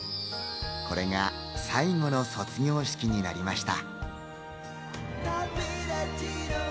これが最後の卒業式になりました。